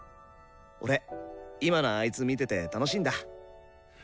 俺今のあいつ見てて楽しいんだ。